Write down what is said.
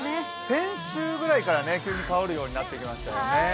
先週ぐらいから急にかおるようになってきましたよね。